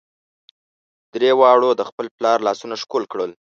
درې واړو د خپل پلار لاسونه ښکل کړل.